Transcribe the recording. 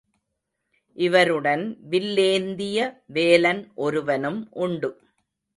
இவருடன் வில்லேந்திய வேலன் ஒருவனும் உண்டு.